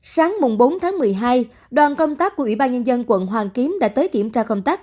sáng bốn tháng một mươi hai đoàn công tác của ủy ban nhân dân quận hoàn kiếm đã tới kiểm tra công tác